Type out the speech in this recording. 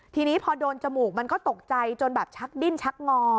ทีนี้พอโดนจมูกมันก็ตกใจจนแบบชักดิ้นชักงอ